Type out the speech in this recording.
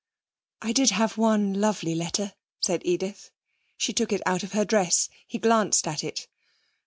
'I did have one lovely letter,' said Edith. She took it out of her dress. He glanced at it.